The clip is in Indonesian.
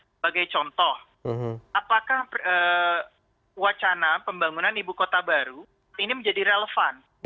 sebagai contoh apakah wacana pembangunan ibu kota baru ini menjadi relevan